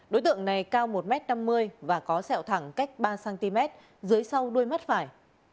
đối tượng này cao một m năm mươi và có sẹo thẳng cách ba cm dưới sau đuôi mắt phải